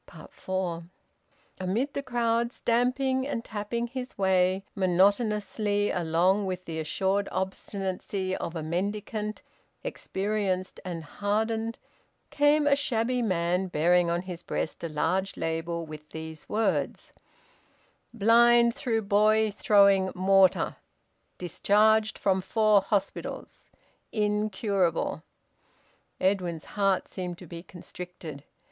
FOUR. Amid the crowd, stamping and tapping his way monotonously along with the assured obstinacy of a mendicant experienced and hardened, came a shabby man bearing on his breast a large label with these words: "Blind through boy throwing mortar. Discharged from four hospitals. Incurable." Edwin's heart seemed to be constricted.